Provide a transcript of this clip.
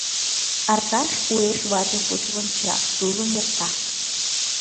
Аркаш уэш ватыж гоч вонча, тулым йӧрта.